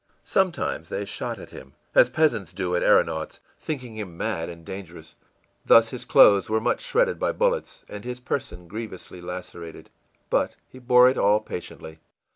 Sometimes they shot at him, as peasants do at aeronauts, thinking him mad and dangerous. Thus his clothes were much shredded by bullets and his person grievously lacerated. But he bore it all patiently.